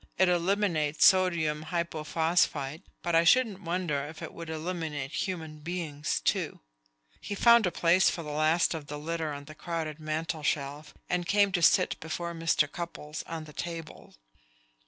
It eliminates sodium hypophosphite, but I shouldn't wonder if it would eliminate human beings too." He found a place for the last of the litter on the crowded mantel shelf, and came to sit before Mr. Cupples on the table.